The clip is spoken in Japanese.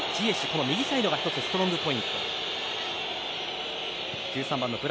この右サイドが１つストロングポイント。